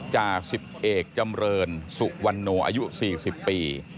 จากสิบเอกจำเรินสุวัณโนอายุสี่สิบปี